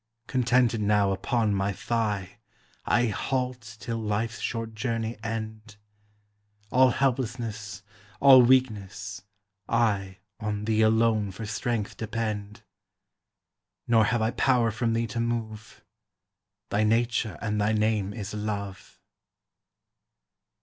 Contented now upon my thigh I halt till life's short journey end; All helplessness, all weakness, I On thee alone for strength depend; Nor have I power from thee to move; Thy nature and thy name is Love.